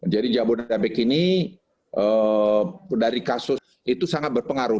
jadi jabodetabek ini dari kasus itu sangat berpengaruh